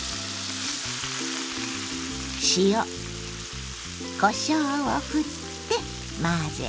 塩こしょうをふって混ぜて。